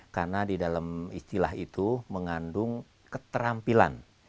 karena di dalam istilah itu mengandung keterampilan